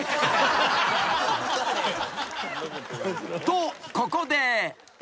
［とここで］